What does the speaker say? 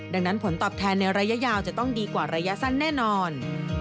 ดังนั้นผลตอบแทนในระยะยาวจะต้องดีกว่าระยะสั้นแน่นอน